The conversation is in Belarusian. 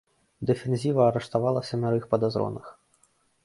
Дэфензіва арыштавала семярых падазроных.